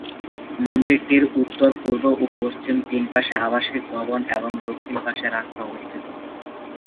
মন্দিরটির উত্তর, পূর্ব ও পশ্চিম তিন পাশে আবাসিক ভবন এবং দক্ষিণ পাশে রাস্তা অবস্থিত।